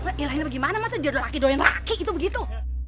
ngelain apa gimana dia laki doyan raki itu begitu